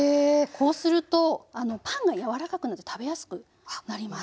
こうするとあのパンが柔らかくなって食べやすくなります。